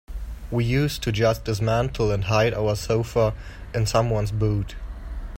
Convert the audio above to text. We used to just dismantle and hide our sofa in someone's boot.